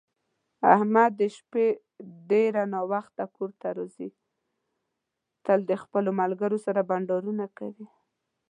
احمد د شپې ډېر ناوخته کورته راځي، تل د خپلو ملگرو سره بنډارونه کوي.